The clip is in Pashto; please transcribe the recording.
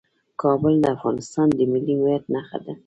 کابل د افغانستان د ملي هویت نښه ده.